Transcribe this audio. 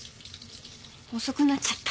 遅くなっちゃった。